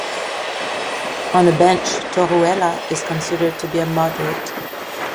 On the bench, Torruella is considered to be a moderate.